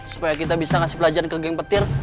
supaya kita bisa kasih pelajaran ke geng petir